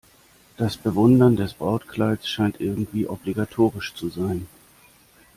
Das Bewundern des Brautkleids scheint irgendwie obligatorisch zu sein.